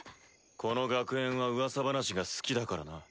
この学園はうわさ話が好きだからな。